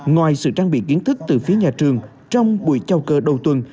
ngoài sự trang bị kiến thức từ phía nhà trường trong buổi chào cờ đầu tuần